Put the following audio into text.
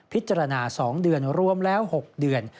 พิจารณา๒เดือนรวมแล้ว๖เดือน